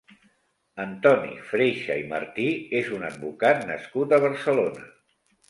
Antoni Freixa i Martí és un advocat nascut a Barcelona.